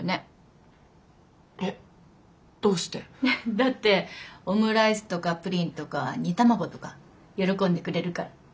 だってオムライスとかプリンとか煮卵とか喜んでくれるから。